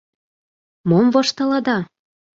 — Мом воштылыда?